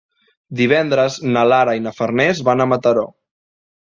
Divendres na Lara i na Farners van a Mataró.